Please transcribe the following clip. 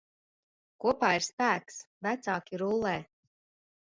Kopā ir spēks, vecāki rullē.